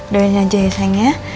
doyan aja ya sayangnya